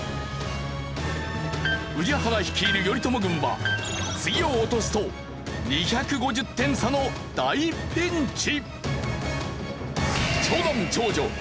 宇治原率いる頼朝軍は次を落とすと２５０点差の大ピンチ！